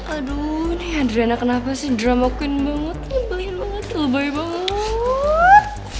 aduh nih adrenalin kenapa sih drama queen banget lebahin banget lebahi boooot